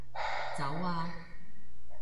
走啊